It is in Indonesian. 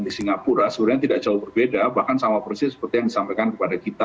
di singapura sebenarnya tidak jauh berbeda bahkan sama persis seperti yang disampaikan kepada kita